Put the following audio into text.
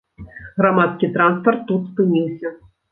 Грамадскі транспарт тут спыніўся.